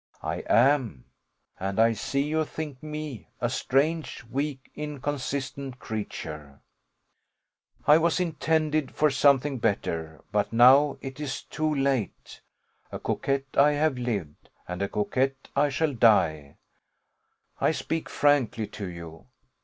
I am, and I see you think me, a strange, weak, inconsistent creature. I was intended for something better, but now it is too late; a coquette I have lived, and a coquette I shall die: I speak frankly to you.